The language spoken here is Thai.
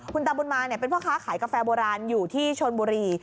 คุณตาบุญมาเป็นพ่อค้าขายกาแฟโบราณอยู่ที่ชนบุรี